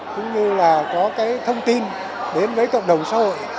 cũng như là có cái thông tin đến với cộng đồng xã hội